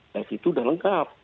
nah itu sudah lengkap